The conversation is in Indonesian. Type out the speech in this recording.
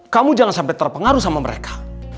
kamu jangan sampai terpengaruh sama mereka